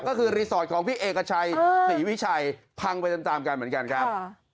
ก็คือรีสอร์ทของพี่เอกชัยศรีวิชัยพังไปตามกันเหมือนกันครับ